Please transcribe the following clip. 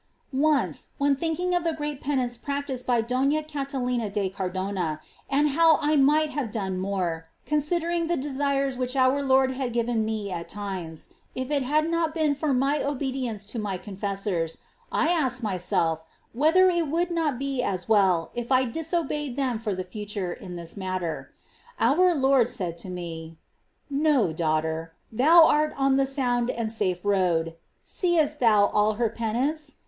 ^^„ 12. Once, when thinkins: of the great penance DonaCata '°°_^_ lina de Car practised by Dona Catalina de Cardona,^ and how I might have done more, considering the desires which our Lord had given me at times, if it had not been for my obedience to my confessors, I asked myself whether it would not be as well if I disobeyed them for the future in this matter. Our Lord said to me :*' No, My daughter ; thou art on the sound and safe road. Seest thou all her penance